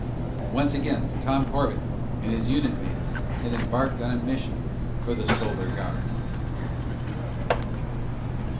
Once again Tom Corbett and his unit mates had embarked on a mission for the Solar Guard.